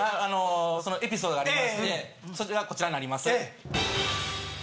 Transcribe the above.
そのエピソードがありましてそれがこちらになります。